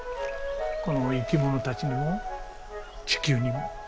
この生き物たちにも地球にも。